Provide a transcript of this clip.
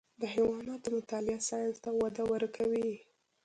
د حیواناتو مطالعه ساینس ته وده ورکوي.